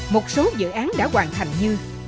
một số dự án đã hoàn thành như